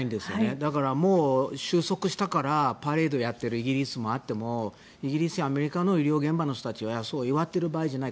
だから、収束したからパレードをやっているイギリスもあってもイギリスやアメリカの医療現場の人たちはそう祝っている場合じゃない。